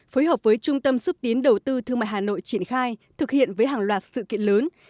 phối hợp với trung tâm xúc tiến đầu tư thương mại hà nội triển khai thực hiện với hàng loạt sự kiện lớn